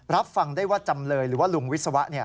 รับฟังได้ว่าจำเลยหรือว่าลุงวิศวะ